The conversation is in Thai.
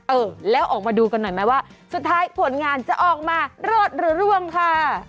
เออแล้วออกมาดูกันหน่อยไหมว่าสุดท้ายผลงานจะออกมารอดหรือร่วงค่ะ